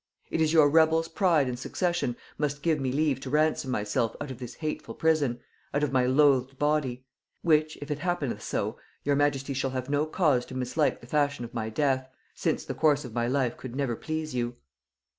It is your rebels' pride and succession must give me leave to ransom myself out of this hateful prison, out of my loathed body; which, if it happeneth so, your majesty shall have no cause to mislike the fashion of my death, since the course of my life could never please you.